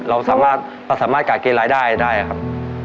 เราสามารถกาดเกณฑ์รายได้ได้ครับ